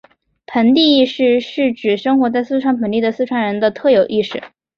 盆地意识是指生活在四川盆地的四川人的特有意识。